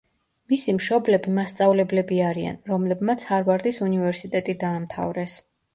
მისი მშობლები მასწავლებლები არიან, რომლებმაც ჰარვარდის უნივერსიტეტი დაამთავრეს.